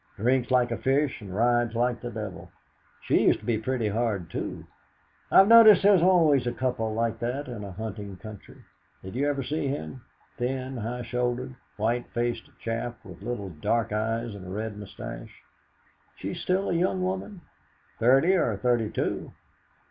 Drinks like a fish, and rides like the devil. She used to go pretty hard, too. I've noticed there's always a couple like that in a hunting country. Did you ever see him? Thin, high shouldered, white faced chap, with little dark eyes and a red moustache." "She's still a young woman?" "Thirty or thirty two."